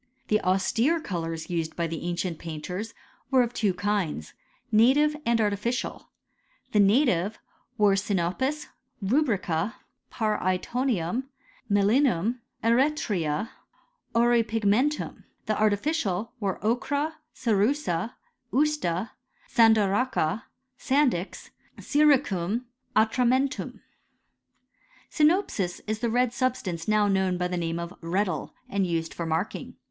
The austere colours used by the ancient painters were of two kinds, native and artificial. The native were siriopis, rubrica, parcRtonium, melinum, eretria, auripigmentum. The artificial were, ochra, cerussel . usta, sandaracha, sandy x, syricum, atramentum, Sinopis is the red substance now knovm by the name of reddle, and used for marking.